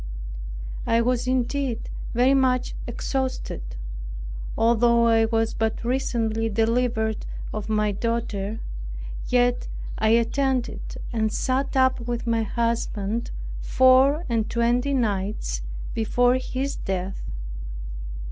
I was indeed very much exhausted. Although I was but recently delivered of my daughter, yet I attended and sat up with my husband four and twenty nights before his death.